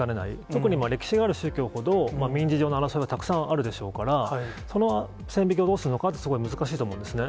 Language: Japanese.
特に歴史がある宗教ほど、民事上の争いはたくさんあるでしょうから、その線引きをどうするのかっていうのは、すごい難しいと思うんですね。